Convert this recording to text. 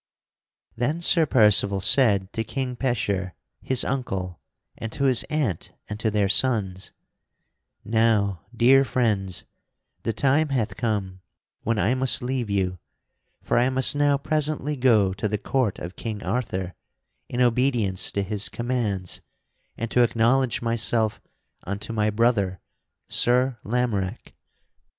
Then Sir Percival said to King Pecheur, his uncle and to his aunt and to their sons: "Now, dear friends, the time hath come when I must leave you. For I must now presently go to the court of King Arthur in obedience to his commands and to acknowledge myself unto my brother, Sir Lamorack."